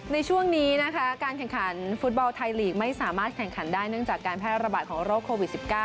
ในช่วงนี้นะคะการแข่งขันฟุตบอลไทยลีกไม่สามารถแข่งขันได้เนื่องจากการแพร่ระบาดของโรคโควิด๑๙